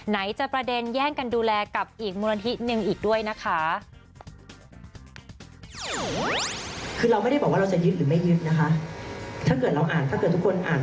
ไหนจะประเด็นแย่งกันดูแลกับอีกมูลนิธิหนึ่งอีกด้วยนะคะ